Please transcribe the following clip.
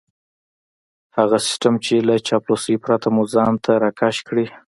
هغه سيستم چې له چاپلوسۍ پرته مو ځان ته راکش کړي.